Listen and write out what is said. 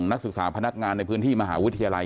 นักศึกษาพนักงานในพื้นที่มหาวิทยาลัย